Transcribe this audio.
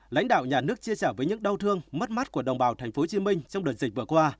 lãnh đạo nhà nước chia sẻ với những đau thương mất mắt của đồng bào thành phố hồ chí minh trong đợt dịch vừa qua